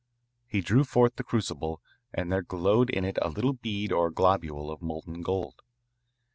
He drew forth the crucible, and there glowed in it a little bead or globule of molten gold.